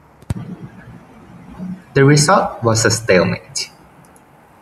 The result was a stalemate.